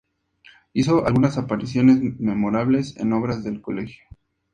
Hizo algunas apariciones memorables en obras del colegio.